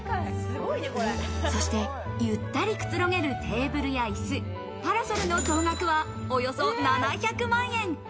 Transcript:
そしてゆったりくつろげるテーブルや椅子、パラソルの総額はおよ